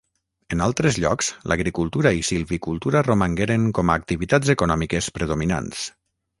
En altres llocs, l'agricultura i silvicultura romangueren com a activitats econòmiques predominants.